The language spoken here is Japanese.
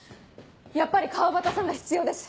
やっぱり川端さんが必要です。